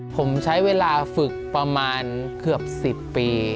ผมใช้เวลาฝึกประมาณเกือบ๑๐ปี